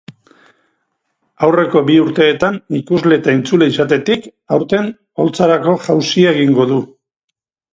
Aurreko bi urteetan ikusle eta entzule izatetik, aurten oholtzarako jauzia egingo du.